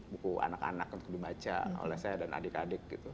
buku anak anak untuk dibaca oleh saya dan adik adik gitu